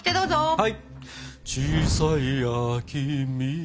はい！